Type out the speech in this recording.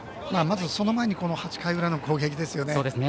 その前に８回裏の攻撃ですね。